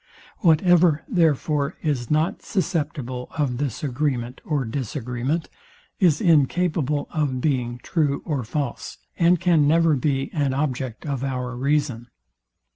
Whatever, therefore, is not susceptible of this agreement or disagreement, is incapable of being true or false, and can never be an object of our reason.